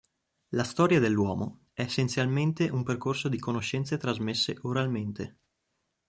La storia dell'uomo è essenzialmente un percorso di conoscenze trasmesse oralmente.